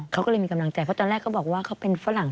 เขาก็เลยมีกำลังใจเพราะตอนแรกเขาบอกว่าเขาเป็นฝรั่ง